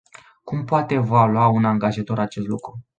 Cum poate evalua un angajator acest lucru?